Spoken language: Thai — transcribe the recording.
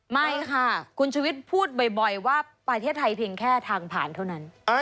ไม่ค่ะคุณชุวิตพูดบ่อยว่าประเทศไทยเพียงแค่ทางผ่านเท่านั้น